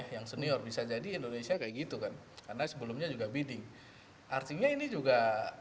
yang senior bisa jadi indonesia kayak gitu kan karena sebelumnya juga bidding artinya ini juga